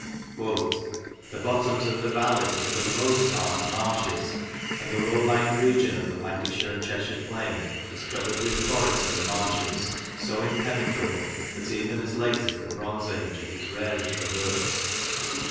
" The bottoms of the valleys were for the most part marshes, 30 MEMORIALS OF OLD LANCASHIRE and the low lying region of the Lancashire and Cheshire plain was covered with forest and marshes so impenetrable that even as late as the Bronze Age it was rarely traversed.